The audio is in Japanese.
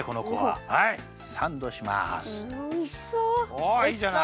おおいいじゃない。